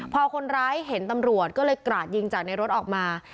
พอคนร้ายเห็นตำรวจก็เลยกราดยิงจากในรถออกมา